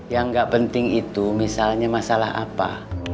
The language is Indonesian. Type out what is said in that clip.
yang gak penting itu misalnya masalah apa